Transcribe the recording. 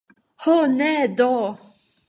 Ho ne do!